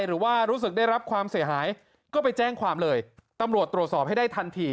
หรือว่ารู้สึกได้รับความเสียหายก็ไปแจ้งความเลยตำรวจตรวจสอบให้ได้ทันที